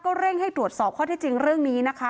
เร่งให้ตรวจสอบข้อที่จริงเรื่องนี้นะคะ